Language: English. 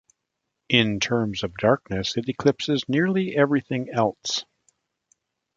In terms of darkness, it eclipses nearly everything else.